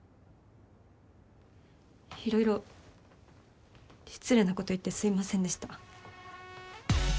色々失礼なこと言ってすいませんでした。